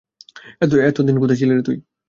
এতদিন কোথায় ছিলি তুই?